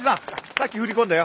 さっき振り込んだよ